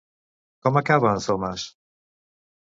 Com acaba en Thomas?